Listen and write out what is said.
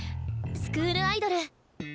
スクールアイドル。